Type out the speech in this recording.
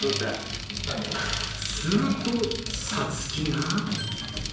するとさつきが。